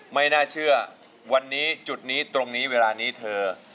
ไม่น่าเชื่อวันนี้จุดนี้ตรงนี้เวลานี้เธอ